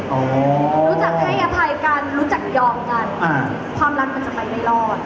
รู้จักให้อภัยกันรู้จักยอมกันความรักมันจะไปไม่รอด